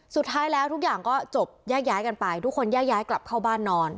สุดท้ายแล้วทุกอย่างก็จบแยกย้ายกันไปทุกคนแยกย้ายกลับเข้าบ้านนอน